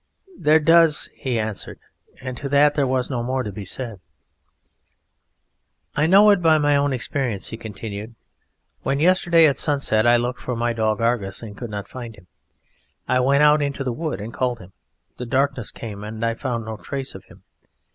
"There does," he answered, and to that there was no more to be said. "I know it by my own experience," he continued. "When, yesterday, at sunset, I looked for my dog Argus and could not find him, I went out into the wood and called him: the darkness came and I found no trace of him.